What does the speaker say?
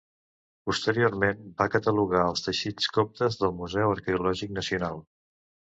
Posteriorment, va catalogar els teixits coptes del Museu Arqueològic Nacional.